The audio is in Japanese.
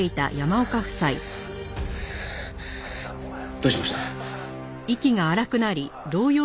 どうしました？